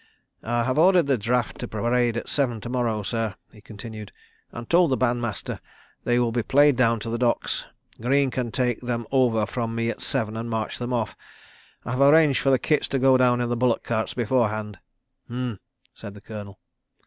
"I have ordered the draft to parade at seven to morrow, sir," he continued, "and told the Bandmaster they will be played down to the Docks. ... Greene can take them over from me at seven and march them off. I have arranged for the kits to go down in bullock carts beforehand. ..." "H'm!" said the Colonel.